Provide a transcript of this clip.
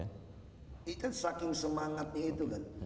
ini kan saking semangatnya itu kan